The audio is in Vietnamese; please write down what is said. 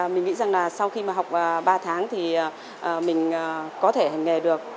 mình nghĩ rằng là sau khi mà học ba tháng thì mình có thể hành nghề được